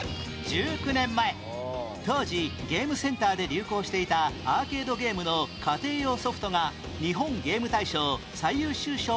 １９年前当時ゲームセンターで流行していたアーケードゲームの家庭用ソフトが日本ゲーム大賞最優秀賞を受賞